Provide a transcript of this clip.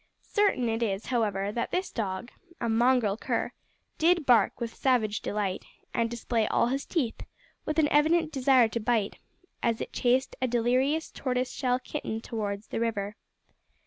Certain it is, however, that this dog a mongrel cur did bark with savage delight, and display all its teeth, with an evident desire to bite, as it chased a delirious tortoise shell kitten towards the river.